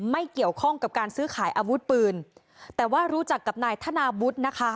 ไม่เกี่ยวข้องกับการซื้อขายอาวุธปืนแต่ว่ารู้จักกับนายธนาวุฒินะคะ